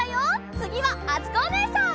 つぎはあつこおねえさん。